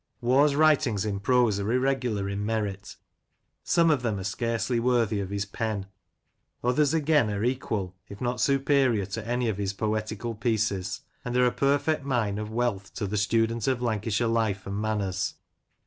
Waugh's writings in Prose are irregular in merit. Some of them are scarcely worthy of his pen. Others again are equal if not superior to any of his poetical pieces, and are a perfect mine of wealth to the student of Lancashire life and manners.